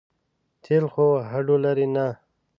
تېل خو هډو لري نه.